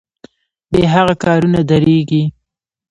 بې هغه کارونه دریږي.